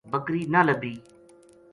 بکری نہ لبھی